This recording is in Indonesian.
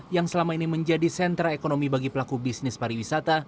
yang selama ini menjadi sentra ekonomi bagi pelaku bisnis pariwisata